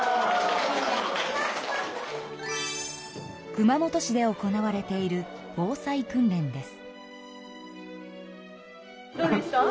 熊本市で行われている防災訓練です。